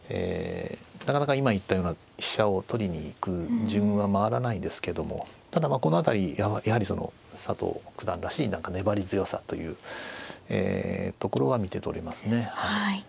なかなか今言ったような飛車を取りに行く順は回らないですけどもただこの辺りやはり佐藤九段らしい何か粘り強さというところは見て取れますね。